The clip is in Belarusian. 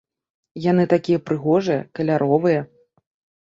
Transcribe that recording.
Яны такія прыгожыя, каляровыя.